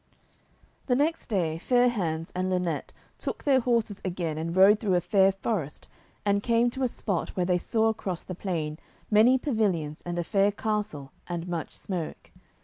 The next day Fair hands and Linet took their horses again and rode through a fair forest and came to a spot where they saw across the plain many pavilions and a fair castle and much smoke.